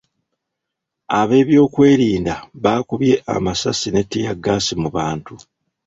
Ab'ebyokwerinda baakubye amasasi ne ttiyaggaasi mu bantu.